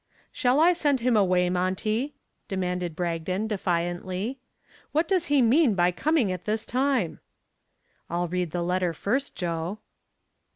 "Shall I send him away, Monty?" demanded Bragdon, defiantly. "What does he mean by coming at this time?" "I'll read the letter first, Joe."